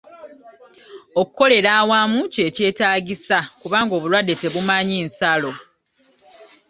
Okukolera awamu kye kyetaagisa kubanga obulwadde tebumanyi nsalo.